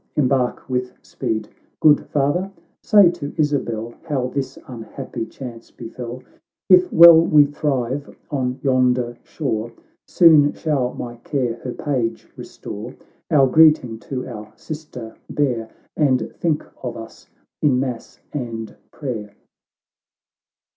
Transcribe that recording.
— Embark with speed !— Good Father, say to Isabel How this unhappy chance befell ; If well we thrive on yonder shore, Soon shall my care her page restore. Our greeting to our sister bear, And think of us in mass and prayer."